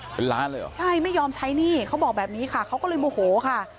เป็นล้านเลยเหรอใช่ไม่ยอมใช้หนี้เขาบอกแบบนี้ค่ะเขาก็เลยโมโหค่ะ